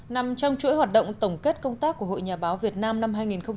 nằm trong chuỗi hoạt động tổng kết công tác của hội nhà báo việt nam năm hai nghìn một mươi chín